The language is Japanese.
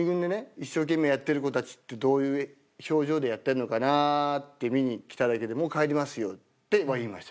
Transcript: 一生懸命やってる子たちってどういう表情でやってるのかなって見に来ただけでもう帰りますよ」って言いました。